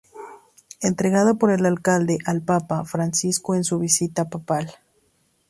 Entregada por el Alcalde al Papa Francisco en su visita papal.